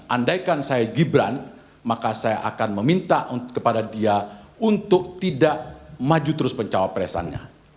andaikan saya gibran maka saya akan meminta kepada dia untuk tidak maju terus pencawapresannya